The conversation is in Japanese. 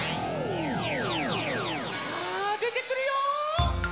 さあでてくるよ！